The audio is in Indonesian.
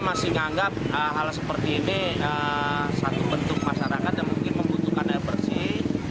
masih menganggap hal seperti ini satu bentuk masyarakat yang mungkin membutuhkan air bersih